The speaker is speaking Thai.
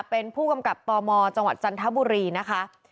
เป็นผู้กำกับตมจังหวัดจันทบุรีนะคะ